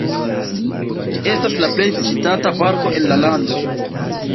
Ĝi estas la plej vizitata parko en la lando.